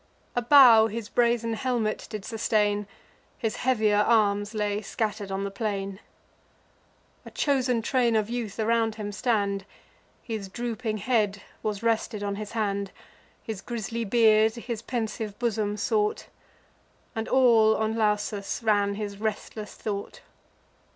A bough his brazen helmet did sustain; His heavier arms lay scatter'd on the plain: A chosen train of youth around him stand; His drooping head was rested on his hand: His grisly beard his pensive bosom sought; And all on Lausus ran his restless thought.